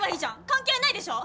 関係ないでしょ？